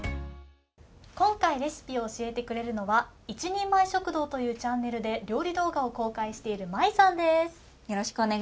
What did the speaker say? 今回レシピを教えてくれるのは「１人前食堂」というサイトで料理動画を公開しているＭａｉさんです。